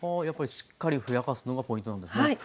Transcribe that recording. やっぱりしっかりふやかすのがポイントなんですね。